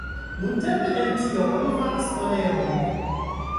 Nuntempe el tio oni faras oleon.